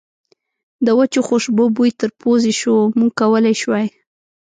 د وچو خوشبو بوی تر پوزې شو، موږ کولای شوای.